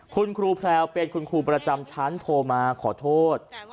คุณครูแพลวเป็นคุณครูประจำชั้นโทรมาขอโทษ